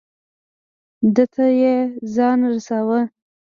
ده ته یې ځان رساو.